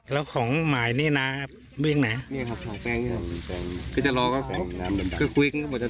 แล้วของหมายนี้นะวิ่งไหน